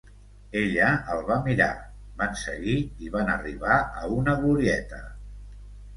Ella el va mirar: van seguir, i van arribar a una glorieta